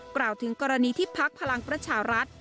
กล่าวถึงกรณีที่พักพลังประชารัฐ